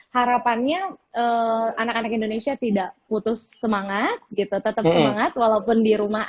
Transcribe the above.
harapannya anak anak indonesia tidak putus semangat gitu tetap semangat walaupun di rumah